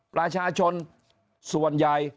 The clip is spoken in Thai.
ประชาชนส่วนใหญ่